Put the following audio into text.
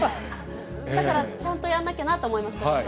だから、ちゃんとやらなきゃなと思います、ことしは。